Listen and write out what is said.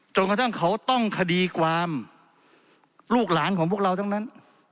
กระทั่งเขาต้องคดีความลูกหลานของพวกเราทั้งนั้น